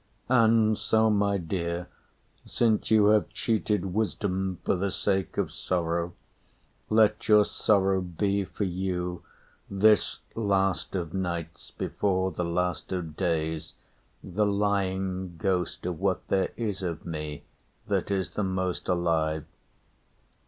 And so, my dear, Since you have cheated wisdom for the sake Of sorrow, let your sorrow be for you, This last of nights before the last of days, The lying ghost of what there is of me That is the most alive.